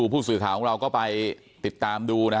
เพราะไม่เคยถามลูกสาวนะว่าไปทำธุรกิจแบบไหนอะไรยังไง